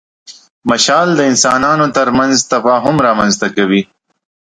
مشال د انسانانو تر منځ تفاهم رامنځ ته کوي.